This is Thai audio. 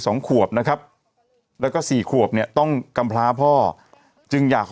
สองขวบนะครับแล้วก็สี่ขวบเนี่ยต้องกำพลาพ่อจึงอยาก